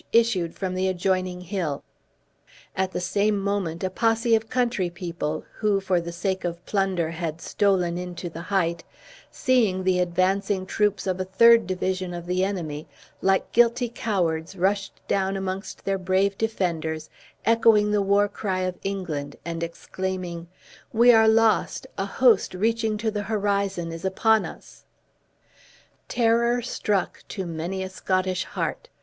issued from the adjoining hill. At the same moment, a posse of country people (who, for the sake of plunder, had stolen into the height), seeing the advancing troops of a third division of the enemy, like guilty cowards rushed down amongst their brave defenders, echoing the war cry of England, and exclaiming, "We are lost a host, reaching to the horizon, is upon us!" Terror struck to many a Scottish heart.